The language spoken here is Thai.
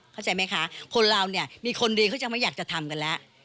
เข้าใจไหมคะคนเราเนี่ยมีคนดีเขายังไม่อยากจะทำกันแล้ว